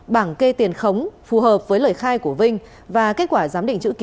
bảng kê tiền khống phù hợp với lời khai của vinh